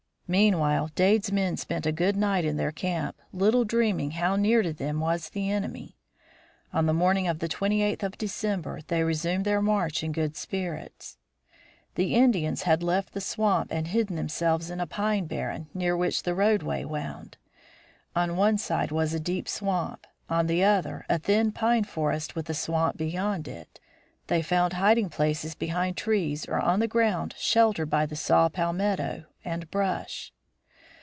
Meanwhile Dade's men spent a good night in their camp, little dreaming how near to them was the enemy. On the morning of the twenty eighth of December they resumed their march in good spirits. The Indians had left the swamp and hidden themselves in a pine barren, near which the roadway wound. On one side was a deep swamp; on the other, a thin pine forest with a swamp beyond it. They found hiding places behind trees or on the ground sheltered by the saw palmetto and brush.